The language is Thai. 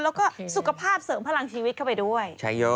แล้วก็สุขภาพเสริมพลังชีวิตเข้าไปด้วย